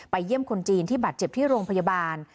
เยี่ยมคนจีนที่บาดเจ็บที่โรงพยาบาล